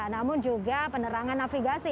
namun juga penerangan navigasi